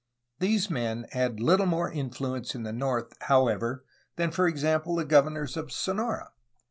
These men had little more influence in the north, however, than for example the governors of Sonora.